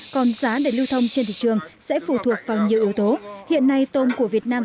còn giá để lưu thông trên thị trường sẽ phụ thuộc vào nhiều ưu tố hiện nay tôm của việt nam